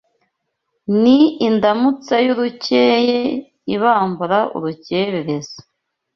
Ni indamutsa y’urukeye Ibambura urukerereza